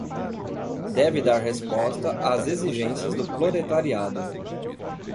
deve dar resposta às exigências do proletariado